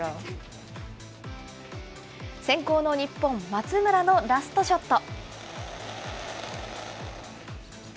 先攻の日本、松村のラストショット。